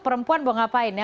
perempuan mau ngapain ya